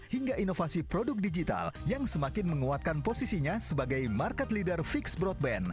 hingga inovasi produk digital yang semakin menguatkan posisinya sebagai market leader fix broadband